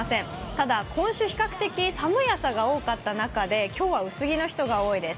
ただ今週、比較的寒い朝が多かった中で今日は薄着の人が多いです。